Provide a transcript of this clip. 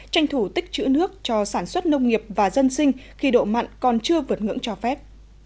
tranh thủ tích chữ nước cho sản xuất nông nghiệp và dân sinh khi độ mặn còn chưa vượt ngưỡng cho phép